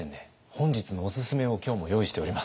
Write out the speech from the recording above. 本日のおすすめを今日も用意しております。